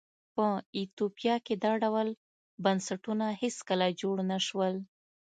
په ایتوپیا کې دا ډول بنسټونه هېڅکله جوړ نه شول.